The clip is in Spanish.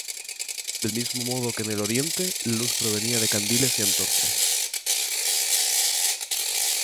Del mismo modo que en el oriente, la luz provenía de candiles y antorchas.